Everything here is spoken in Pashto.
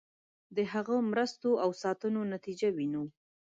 د هغه مرستو او ساتنو نتیجه وینو.